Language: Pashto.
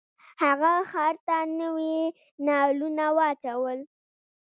هغه خر ته نوي نالونه واچول.